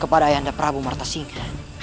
kepada ayah anda prabu marta singa